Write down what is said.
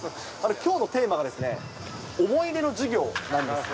きょうのテーマが、思い出の授業なんですが。